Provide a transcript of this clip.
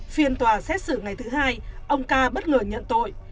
phiên tòa xét xử ngày thứ hai ông ca bất ngờ nhận tội